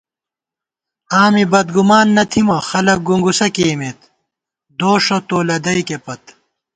آں می بدگُمان نہ تھِمہ، خلَک گُنگُسہ کېئیمېت، دوݭہ تو لدَئیکےپت